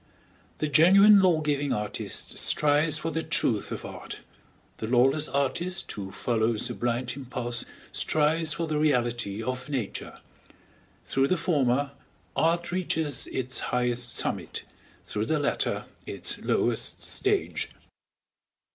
The genuine law giving artist strives for the truth of art, the lawless artist who follows a blind impulse strives for the reality of Nature; through the former, art reaches its highest summit, through the latter its lowest stage.